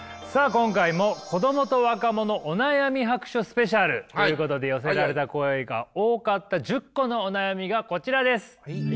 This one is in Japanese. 今回も「子どもと若者お悩み白書スペシャル」ということで寄せられた声が多かった１０個のお悩みがこちらです。